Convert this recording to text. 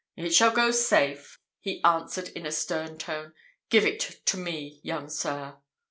"It shall go safe," he answered in a stern tone. "Give it to me, young sir."